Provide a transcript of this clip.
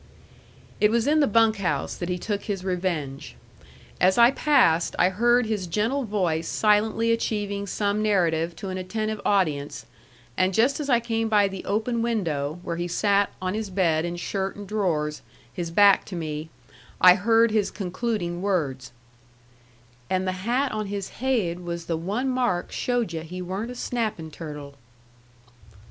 It was in the bunk house that he took his revenge. As I passed I heard his gentle voice silently achieving some narrative to an attentive audience, and just as I came by the open window where he sat on his bed in shirt and drawers, his back to me, I heard his concluding words, "And the hat on his haid was the one mark showed yu' he weren't a snappin' turtle."